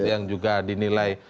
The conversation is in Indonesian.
yang juga dinilai